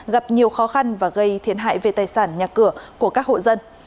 gặp nhiều khó khăn và gây thiệt hại về tài sản nhà cửa của các hộ dân